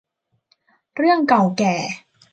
เรื่องเก่าแก่